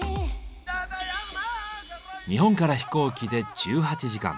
日本から飛行機で１８時間。